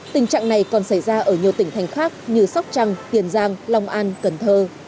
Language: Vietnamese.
tình trạng này còn xảy ra ở nhiều tỉnh thành khác như sóc trăng tiền giang long an cần thơ